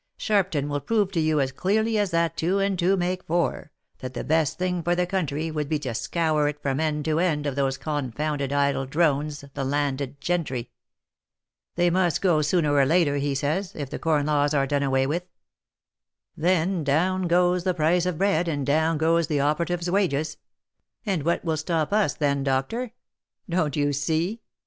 Sharpton will prove to you as clearly as that two and two make four, that the best thing for the country would be to scour it from end to end of those confounded idle drones, the landed gentry. They must go sooner or later, he says, if the corn laws are done away with. Then down goes the price of bread, and down goes the operative's wages ; and what will stop us then, doctor ? Don't you see